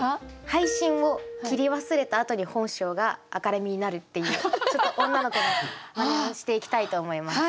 配信を切り忘れた後に本性が明るみになるっていうちょっと女の子のまねをしていきたいと思います。